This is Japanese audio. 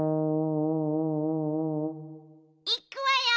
いっくわよ。